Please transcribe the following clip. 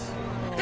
え？